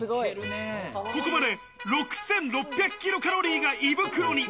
ここまで６６００キロカロリーが胃袋に。